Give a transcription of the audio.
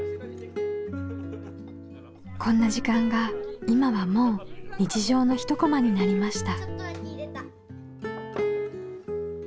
こんな時間が今はもう日常の一コマになりました。